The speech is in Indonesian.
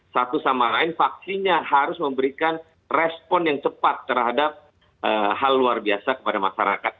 satu sama lain vaksinnya harus memberikan respon yang cepat terhadap hal luar biasa kepada masyarakat